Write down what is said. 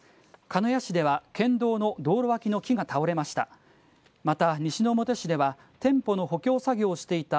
鹿屋市では県道の道路脇の木が倒れました。